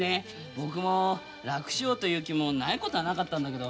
僕も楽しようという気もないことはなかったんだけど。